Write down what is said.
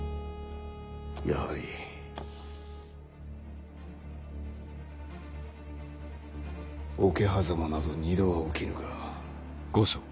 やはり桶狭間など二度は起きぬか。